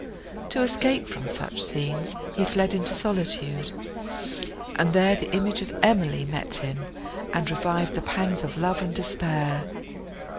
To escape from such scenes, he fled into solitude, and there the image of Emily met him, and revived the pangs of love and despair.